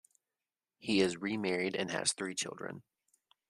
He is re-married and has three children.